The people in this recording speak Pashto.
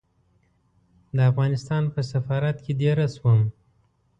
د افغانستان په سفارت کې دېره شوم.